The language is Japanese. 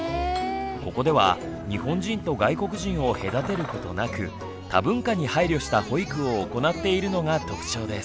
ここでは日本人と外国人を隔てることなく多文化に配慮した保育を行っているのが特徴です。